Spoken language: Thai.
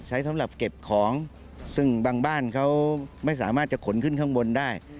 สำหรับเก็บของซึ่งบางบ้านเขาไม่สามารถจะขนขึ้นข้างบนได้